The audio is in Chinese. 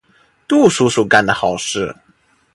杜叔叔干的好事。